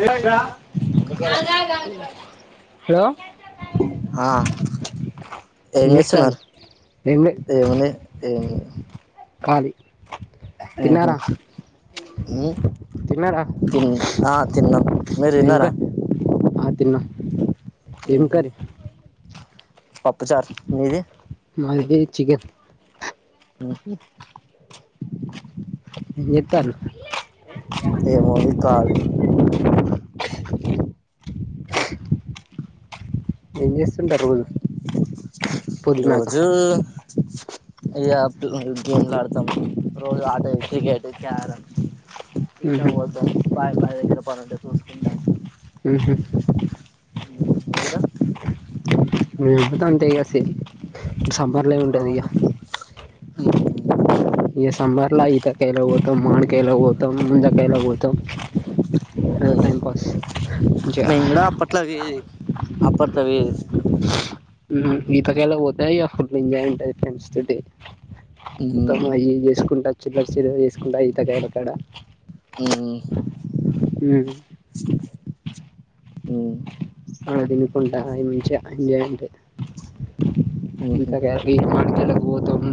Hello ఆ ఏం చేస్తున్నారు ఏం ఏముంది ఏం ఖాలీ ఊహూ తిన్నారా తిన్ ఆ తిన్నాం మీరు ఏం తిన్నారా ఇంకారి పప్పుచార్ మీది మైది చికెన్ అ నతారు ఏముోంది కాళ ఏజ పొద్దునాక రోజు ఇ గేమ్లు ఆడతాము రోజు ఆట క్రికెట్ క్యారం ఏతా మ్హూ, ఒకదం పయ ప వప్పారం రసు దా మ్హూ. న చ నరా అనంత గసి సంబరల ఉంట అధిక అవును ఈ సంబర్లా అయితే కేలగు మా కేల పోతం ముజాకాలా పోతం ఉమ్ టైం పస్జ మేము కూడా అప్పట్లో అవి అప్పట్లో అవి ఉ ఈతకాలా పోతాయి ఫు ఎంజాయ్ంటాయి ఫ్రెండ్స్ ఉమ్ ఉత్తమా ఈ వేసుకుంటా చిల్ చ వేసుకుంటా తగయ రకాడా అ మ్మ్. అ అదిని కొండయ మంచి ఎంజాయే ఉహు ఇకాతల పోతాం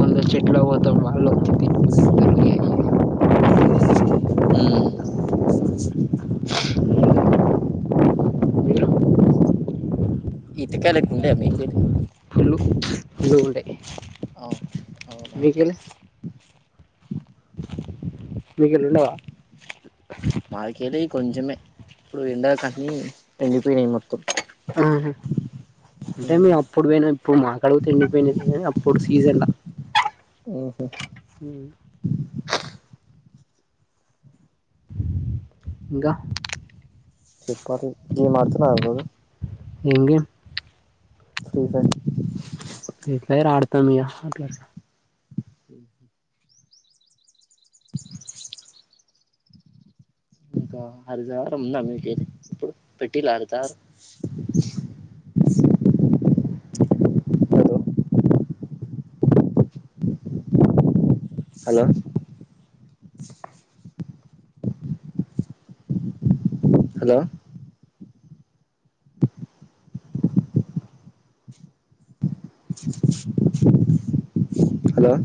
వందల చెట్ల పోతాం వాళ్ళు వచ్చి తిట్ తితారు ఉమ్ మీరు ఇతకాల కు ఉండ మైకడు ఇ ఉంటే అవునా వికలి మీకుే లేనావా మాళకలి కొంచమే ఇప్పుడు ఎండ కానీ ఎండిపోయినాయి మొత్తం ఆ అంటే మే అప్పుడు పోయినా ఇప్పుడు మాకడ తిండిపోయినది కానీ అప్పుడు సీజన్లా ఉహు ఇంకా చెప్పట్ ఏ ఆడుతున్నారుప్పుు ఇంకే ఫకా ర ఫైర్ అడుతా మీయా అలస [inaudible] ఇంకా హరదవారం ఉందా మీక ఇప్పుడు పెట్టిలా హరదారు హలో హలో హలో